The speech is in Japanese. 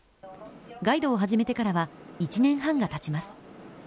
ガイドを始めてからは１年半がたちます。